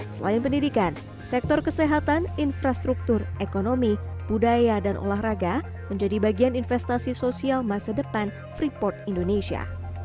selain pendidikan sektor kesehatan infrastruktur ekonomi budaya dan olahraga menjadi bagian investasi sosial masa depan freeport indonesia